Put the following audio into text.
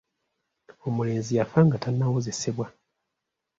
Omulenzi yafa nga tannawozesebwa.